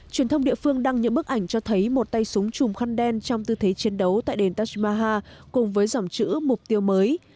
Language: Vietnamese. truyền thông địa phương đăng những bức ảnh cho thấy một tay súng chùm khăn đen trong tư thế chiến đấu tại đền tajmaha cùng với dòng chữ mục tiêu mới